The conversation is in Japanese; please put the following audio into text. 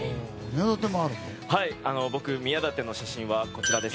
僕、宮舘の写真はこちらです。